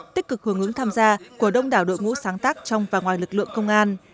tích cực hướng ứng tham gia của đông đảo đội ngũ sáng tác trong và ngoài lực lượng công an